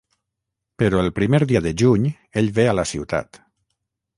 Però el primer dia de juny ell ve a la ciutat.